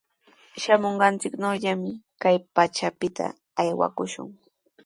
Shamunqanchiknawllami kay pachapita aywakushun.